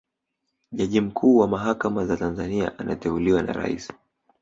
jaji mkuu wa mahakama za tanzania anateuliwa na rais